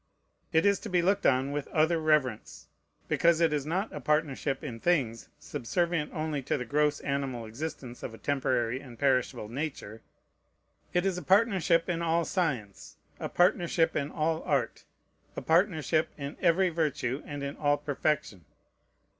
It is to be looked on with other reverence; because it is not a partnership in things subservient only to the gross animal existence of a temporary and perishable nature. It is a partnership in all science, a partnership in all art, a partnership in every virtue and in all perfection.